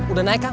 udah naik kang